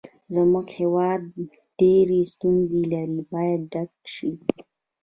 زموږ هېواد ډېرې ستونزې لري باید ډک شي.